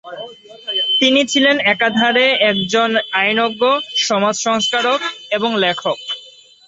তিনি ছিলেন একাধারে একজন আইনজ্ঞ, সমাজ সংস্কারক এবং লেখক।